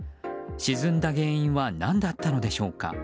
沈んだ原因は何だったのでしょうか。